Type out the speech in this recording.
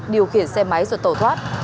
điều khiển xe máy rồi tổ thoát